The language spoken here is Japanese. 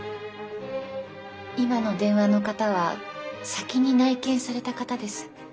今の電話の方は先に内見された方です。